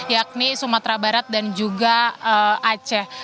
yakni sumatera barat dan juga aceh